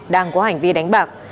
đang có hành vi đánh bạc